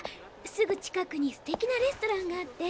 すぐ近くにすてきなレストランがあって。